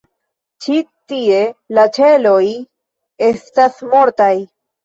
Ĉi-tie la ĉeloj estas mortaj.